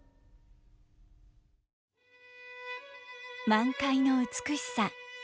満開の美しさ。